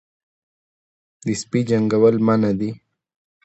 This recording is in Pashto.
د سپي جنګول منع دي